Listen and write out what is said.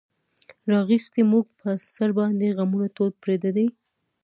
راغیستې مونږ پۀ سر باندې غمونه ټول پردي دي